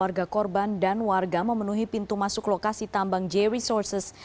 warga korban dan warga memenuhi pintu masuk lokasi tambang j resources